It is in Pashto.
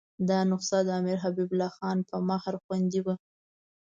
دا نسخه د امیر حبیب الله خان په مهر خوندي وه.